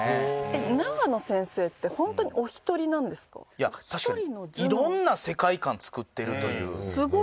いや確かに色んな世界観作ってるという。